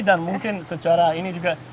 dan mungkin secara ini juga